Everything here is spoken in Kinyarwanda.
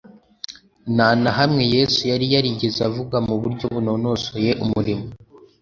nta na hamwe Yesu yari yarigeze avuga mu buryo bunonosoye umurimo